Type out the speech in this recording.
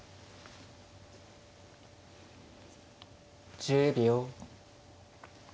１０秒。